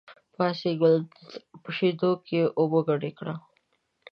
پاڅېږه او په شېدو کې اوبه ګډې کړه.